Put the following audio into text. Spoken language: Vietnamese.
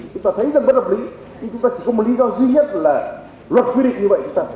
chúng ta thấy rằng bất hợp lý thì chúng ta chỉ có một lý do duy nhất là luật quy định như vậy chúng ta phải thực hiện